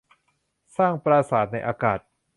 สร้างปราสาทในอากาศ